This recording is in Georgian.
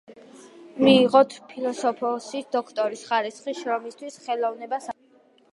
მიიღო ფილოსოფიის დოქტორის ხარისხი შრომისათვის „ხელოსნობა საქართველოში“.